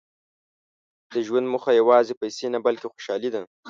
• د ژوند موخه یوازې پیسې نه، بلکې خوشالي ده.